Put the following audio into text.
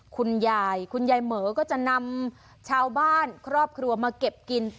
คุณยายคุณยายเหมือก็จะนำชาวบ้านครอบครัวมาเก็บกิน